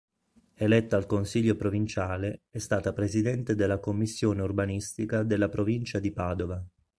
Eletta al consiglio provinciale è stata Presidente della Commissione Urbanistica della Provincia di Padova.